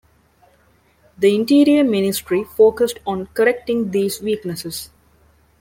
The Interior Ministry focused on correcting these weaknesses.